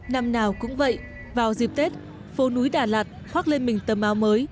năm nào cũng vậy vào dịp tết phố núi đà lạt khoác lên mình tầm áo mới